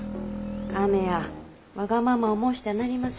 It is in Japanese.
亀やわがままを申してはなりません。